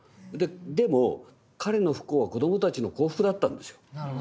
でも彼の不幸は子どもたちの幸福だったんですよ。